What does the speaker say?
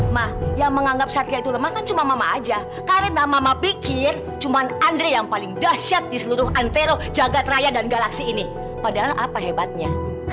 mah yang menganggap syariah itu lemah kan cuma mama aja karena mama pikir cuma andre yang paling dahsyat di seluruh antelo jagad raya dan galaksi ini padahal apa hebatnya